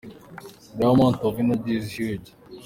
The amount of energy is huge.